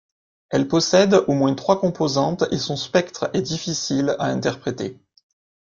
Elle possède au moins trois composantes et son spectre est difficile à interpréter.